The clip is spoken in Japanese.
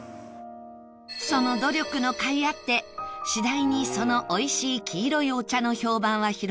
その努力のかいあって次第にその美味しい黄色いお茶の評判は広まり